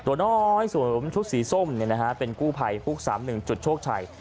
ตัวน้อยสวมชุดสีส้มเป็นกู้ภัยฮุก๓๑จุดโชคชัย